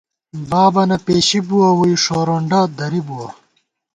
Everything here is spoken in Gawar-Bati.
بابَنہ پېشی بُوَہ ووئی، ݭورونڈہ درِبُوَہ